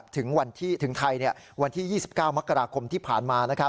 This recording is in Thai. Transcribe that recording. ถึงวันที่ถึงไทยวันที่๒๙มกราคมที่ผ่านมา